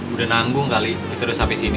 udah nanggung kali kita udah sampai sini